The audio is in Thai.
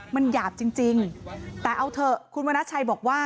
มันหยาบจริงแต่เอาเถอะคุณวรรณชัยบอกว่า